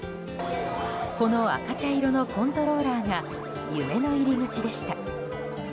この赤茶色のコントローラーが夢の入り口でした。